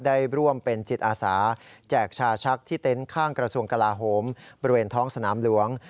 ได้ร่วมเป็นจิตอาสาแจกชาชักที่เต็นต์ข้างกระทรวงกลาโหมบริเวณท้องสนามหลวง